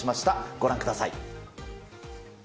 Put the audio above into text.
ご覧ください。